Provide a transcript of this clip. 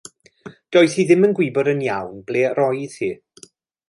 Doedd hi ddim yn gwybod yn iawn ble roedd hi.